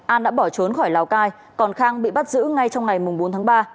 an đã bỏ trốn khỏi lào cai còn khang bị bắt giữ ngay trong ngày bốn tháng ba